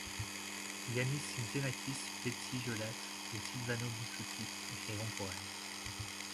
Iannis Xenakis, Betsy Jolas ou Sylvano Bussotti écriront pour elle.